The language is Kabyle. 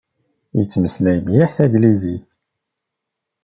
Yettmeslay mliḥ taglizit.